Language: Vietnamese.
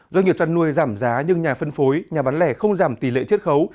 do nghiệp trăn nuôi giảm giá nhưng nhà phân phối nhà bán lẻ không giảm tỷ lệ chất khấu